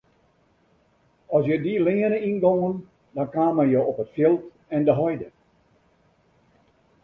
As je dy leane yngongen dan kamen je op it fjild en de heide.